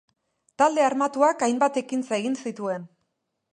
Talde armatuak hainbat ekintza egin zituen.